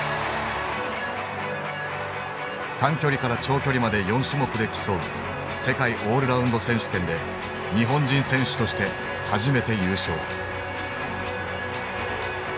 短距離から長距離まで４種目で競う世界オールラウンド選手権で日本人選手として初めて優勝。